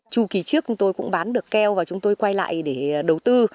chu kỳ trước chúng tôi cũng bán được keo và chúng tôi quay lại để đầu tư